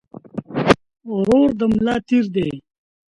ورور د ملا تير دي